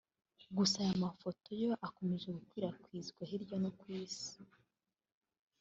gusa aya mafoto yo akomeje gukwirakwizwa hirya no hino ku Isi